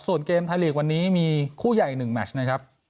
ส่วนเกมไทยลีกวันนี้มีคู่ใหญ่๑แมชนะครับ